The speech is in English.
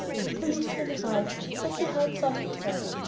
The policeman arrived. Pretty Heart saw him first.